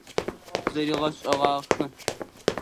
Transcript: Зэригъэшӏэгъахэ.